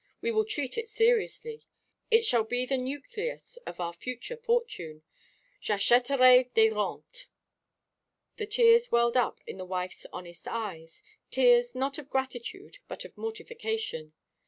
"We will treat it seriously; it shall be the nucleus of our future fortune, j'achèterai des rentes." The tears welled up to the wife's honest eyes, tears not of gratitude, but of mortification.